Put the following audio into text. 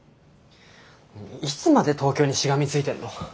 いつまで東京にしがみついてんの。